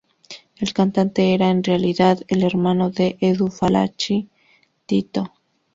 El cantante era en realidad el hermano de Edu Falaschi, Tito.